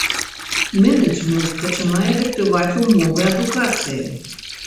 Менеджмент пачынае дыктаваць умовы адукацыі.